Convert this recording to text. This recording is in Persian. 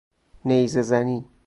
نیزه زنی